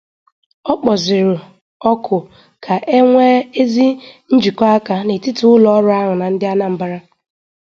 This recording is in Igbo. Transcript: Ọ kpọzịrị òkù ka e nwee ezi njikọaka n'etiti ụlọọrụ ahụ na Ndị Anambra